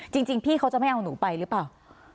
จริงพี่เขาจะไม่เอาหนูไปหรือเปล่า